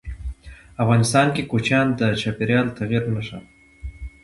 افغانستان کې کوچیان د چاپېریال د تغیر نښه ده.